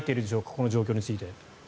この状況について。